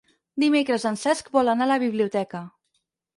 Dimecres en Cesc vol anar a la biblioteca.